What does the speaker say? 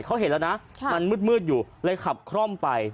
เขาเห็นแล้วนะมันมืดอยู่เลยขับคร่อมไป